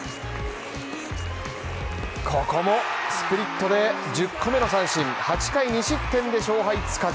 ここもスプリットで１０個目の三振、８回２失点で、勝敗つかず。